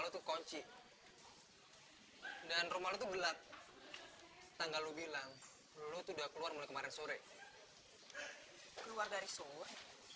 lo tokoci dan rumahnya gelap tanggal lo bilang lo sudah keluar kemarin sore keluar dari sore